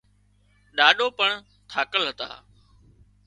ڏاڏو پڻ ٿاڪل هتا